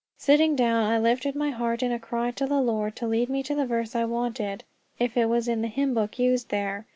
Sitting down, I lifted my heart in a cry to the Lord to lead me to the verse I wanted, if it was in the hymn book used there.